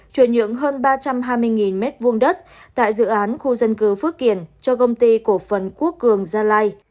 chuyển nhượng hơn ba trăm hai mươi m hai đất tại dự án khu dân cư phước kiển cho công ty cổ phần quốc cường gia lai